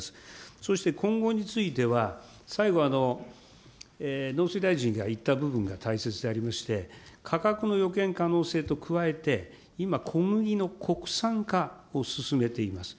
そして今後については、最後、農水大臣が言った部分が大切でありまして、価格の予見可能性と加えて、今、小麦の国産化を進めています。